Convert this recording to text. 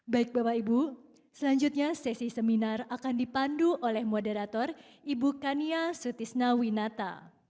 baik bapak ibu selanjutnya sesi seminar akan dipandu oleh moderator ibu kania sutisna winata